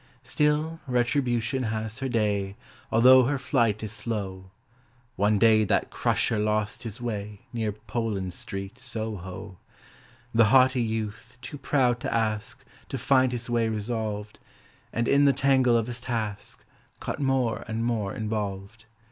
Still, Retribution has her day Although her flight is slow: One day that Crusher lost his way Near Poland Street, Soho. The haughty youth, too proud to ask, To find his way resolved, And in the tangle of his task Got more and more involved.